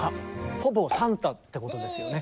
ほぼサンタってことですよね？